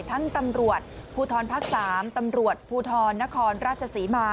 ทั้งตำรวจภูทรภักษ์สามตำรวจภูทรนครราชสีมา